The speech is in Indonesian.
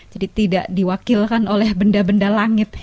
jadi tidak diwakilkan oleh benda benda langit